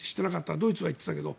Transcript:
ドイツは行ってたけど。